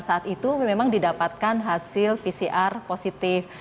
saat itu memang didapatkan hasil pcr positif